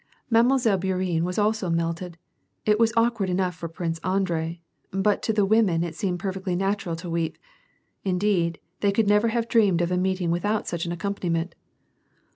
Mile. Bourienne was also melted ; it was awkward enough for Prince Andrei, but to the women it seemed perfectly natural to weep ; indeed, they could never have dreamed of a meeting without such an accompaniment.